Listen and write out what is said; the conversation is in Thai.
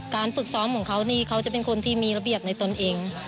ฝึกซ้อมของเขานี่เขาจะเป็นคนที่มีระเบียบในตนเอง